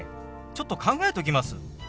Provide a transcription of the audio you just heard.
ちょっと考えときます。